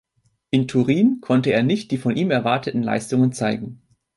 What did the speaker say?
In Turin konnte er nicht die von ihm erwarteten Leistungen zeigen.